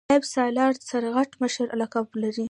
نایب سالار سرغټ مشر لقب لري.